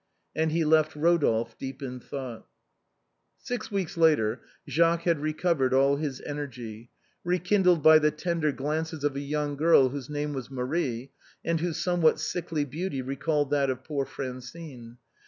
And he left Rodolphe deep in thought. *« 4: Six weeks later Jacques had recovered all his energy, re kindled by the tender glances of a young girl whose name was Marie, and whose somewhat sickly beauty recalled that of poor Francine.